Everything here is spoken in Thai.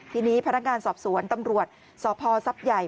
ทีนี้พนักงานสอบสวนตำรวจสพท์ใหญ่